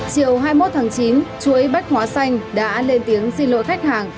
chiều hai mươi một tháng chín chuỗi bách hóa xanh đã lên tiếng xin lỗi khách hàng